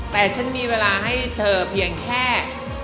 แต่ฉันมีเวลาให้เธอเพียงแค่